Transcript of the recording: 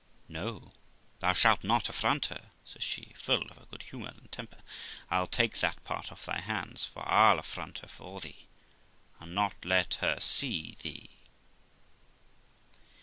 ' No, thou shalt not affront her ', says she (full of her good humour and temper); Til take that part off thy hands, for I'll affront her for thee, and not let her see thee.'